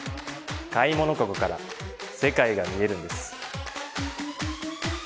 買い物カゴから世界が見えるんです。